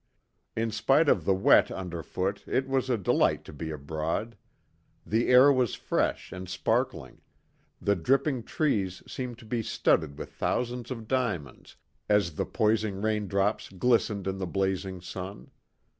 In spite of the wet under foot it was a delight to be abroad. The air was fresh and sparkling; the dripping trees seemed to be studded with thousands of diamonds as the poising rain drops glistened in the blazing sun.